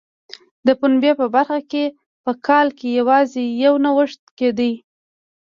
د پنبې په برخه کې په کال کې یوازې یو نوښت کېده.